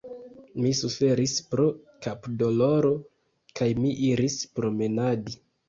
Mi suferis pro kapdoloro, kaj mi iris promenadi.